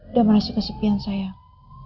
dan merasa kesepian sayang